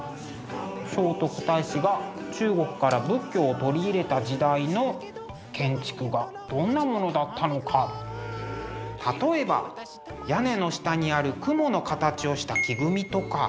聖徳太子が中国から仏教を取り入れた時代の建築がどんなものだったのか例えば屋根の下にある雲の形をした木組みとか。